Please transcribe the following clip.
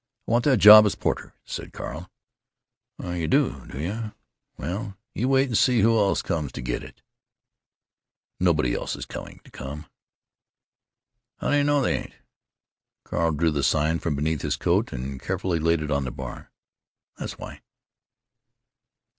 "I want that job as porter," said Carl. "Oh, you do, do you? Well, you wait and see who else comes to get it." "Nobody else is going to come." "How do you know they ain't?" Carl drew the sign from beneath his coat and carefully laid it on the bar. "That's why."